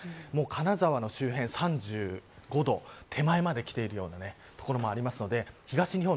金沢の周辺３５度手前まできているような所もありますので、東日本